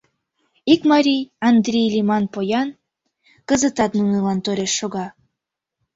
Ик марий, Андри лӱман поян, кызытат нунылан тореш шога...